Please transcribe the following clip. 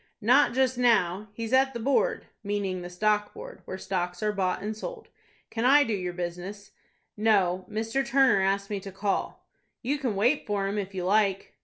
"Not just now; he's at the Board,"—meaning the Stock Board, where stocks are bought and sold. "Can I do your business?" "No; Mr. Turner asked me to call." "You can wait for him, if you like."